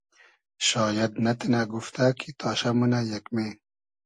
شاید نئتینۂ گوفتۂ کی تاشۂ مونۂ یئگمې